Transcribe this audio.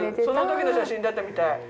その時の写真だったみたい。